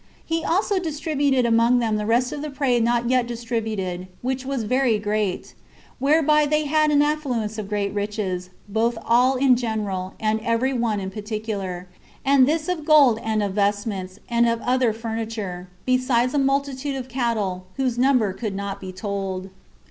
He also distributed among them the rest of the prey not yet distributed, which was very great; whereby they had an affluence of great riches, both all in general, and every one in particular; and this of gold and of vestments, and of other furniture, besides a multitude of cattle, whose number could not be told.